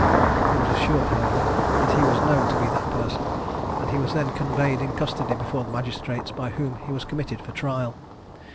He was assured, however, that he was known to be that person; and he was then conveyed in custody before the magistrates, by whom he was committed for trial.